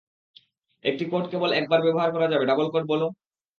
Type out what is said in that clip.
একটি কোড কেবল একবার ব্যাবহার করা যাবে ডাবল কোড বলো?